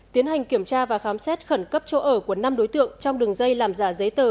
tiến hành kiểm tra và khám xét khẩn cấp chỗ ở của năm đối tượng trong đường dây làm giả giấy tờ